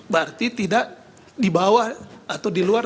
berarti tidak di bawah atau di luar